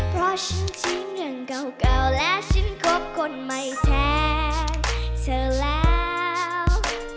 เพราะฉันทิ้งเงินเก่าและฉันคบคนใหม่แท้เธอแล้ว